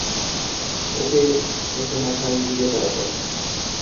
ওকে মেসোমশায় নিজে পড়াতেন।